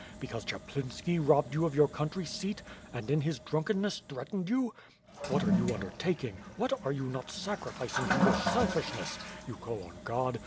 Because Chaplinski robbed you of your country seat, and, in his drunkenness, threatened you! What are you undertak ing; what are you not sacrificing to your selfishness? You call on God!